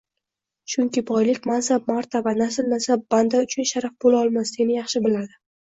Chunki boylik, mansab-martaba, nasl-nasab banda uchun sharaf bo‘la olmasligini yaxshi biladi.